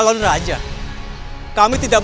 kerordom yang lihat di sekitar